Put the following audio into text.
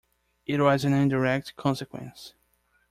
It was an indirect consequence.